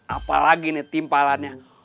apa lagi nih timpalannya